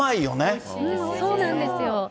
そうなんですよ。